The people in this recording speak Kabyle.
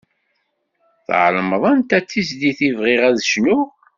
Tεelmeḍ anta tizlit i bɣiɣ ad d-cnuɣ.